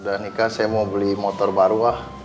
udah nikah saya mau beli motor baru wah